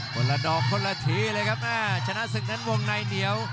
คนละดอกคนละทีเลยครับแม่ชนะศึกนั้นวงในเหนียว